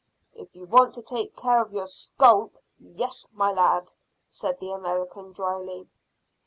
"If you want to take care of your scalp, yes, my lad," said the American dryly.